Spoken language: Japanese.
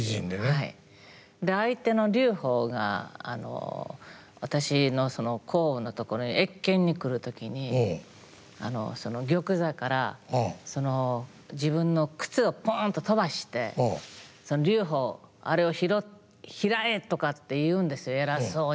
相手の劉邦が私の項羽のところに謁見に来る時に玉座から自分の靴をポンと飛ばして「劉邦あれを拾え」とかって言うんです偉そうに。